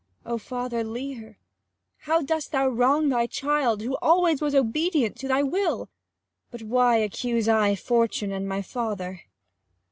Oh, father Leir, how dost thou wrong thy child, Who always was obedient to thy will ! 25 But why accuse I Fortune and my father